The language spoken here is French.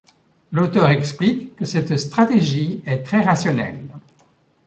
L'auteur explique que cette stratégie est très rationnelle.